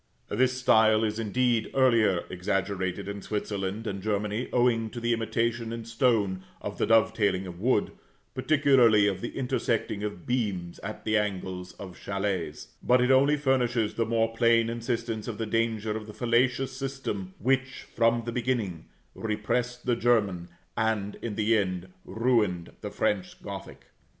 This style is, indeed, earlier exaggerated in Switzerland and Germany, owing to the imitation in stone of the dovetailing of wood, particularly of the intersecting of beams at the angles of châlets; but it only furnishes the more plain instance of the danger of the fallacious system which, from the beginning, repressed the German, and, in the end, ruined the French Gothic.